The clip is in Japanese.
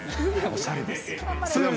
おしゃれですよ。